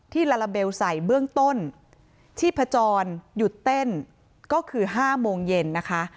ลาลาเบลใส่เบื้องต้นชีพจรหยุดเต้นก็คือ๕โมงเย็นนะคะ